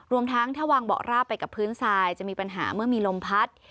รวมทั้งถ้าวางเบาะราบไปกับพื้นทรายจะมีปัญหาเมื่อมีลมพัด